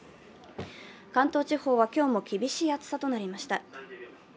関東地方は今日も厳しい暑さとなりました。